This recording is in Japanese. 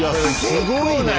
すごいね！